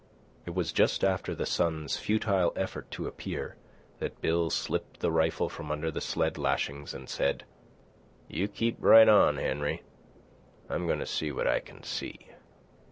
It was just after the sun's futile effort to appear, that Bill slipped the rifle from under the sled lashings and said: "You keep right on, Henry, I'm goin' to see what I can see."